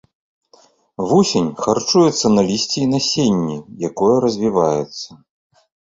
Вусень харчуецца на лісці і насенні, якое развіваецца.